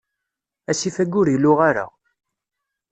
Asif-ayi ur iluɣ ara.